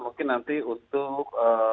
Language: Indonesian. mungkin nanti untuk